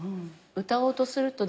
歌おうとすると。